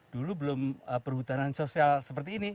dulu belum perhutanan sosial seperti ini